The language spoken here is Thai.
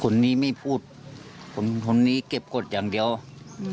คนนี้ไม่พูดคนคนนี้เก็บกฎอย่างเดียวอืม